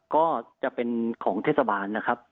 ก็จะเป็นของเทศบาลนะครับ